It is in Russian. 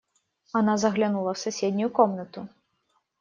Она заглянула в соседнюю комнату.